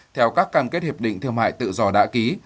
theo các cam kết hiệp định thương mại tự do đã ký